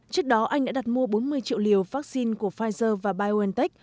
trước đó anh đã đặt mua bốn mươi triệu liều vaccine của pfizer và biontech